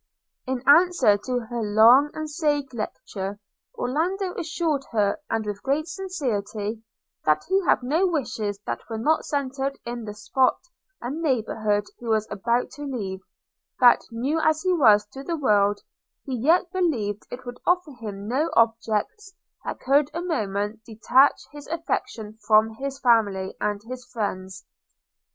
In answer to her long and sage lecture, Orlando assured her, and with great sincerity, that he had no wishes that were not centered in the spot and neighbourhood he was about to leave: that new as he was to the world, he yet believed it would offer him no objects that could a moment detach his affection from his family and his friends.